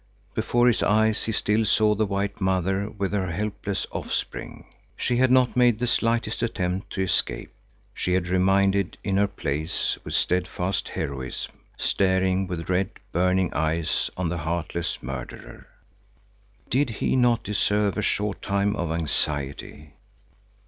Before his eyes he still saw the white mother with her helpless offspring. She had not made the slightest attempt to escape; she had remained in her place with steadfast heroism, staring with red, burning eyes on the heartless murderer. Did he not deserve a short time of anxiety?